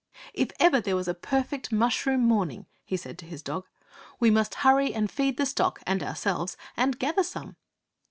'"If ever there was a perfect mushroom morning!" he said to his dog. "We must hurry and feed the stock and ourselves, and gather some!"